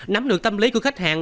nắm được tâm lý của khách hàng